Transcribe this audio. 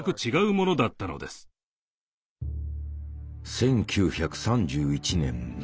１９３１年夏。